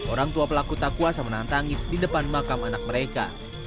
orang tua pelaku tak kuasa menahan tangis di depan makam anak mereka